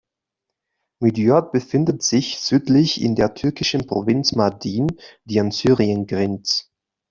Midyat befindet sich südlich in der türkischen Provinz Mardin, die an Syrien grenzt.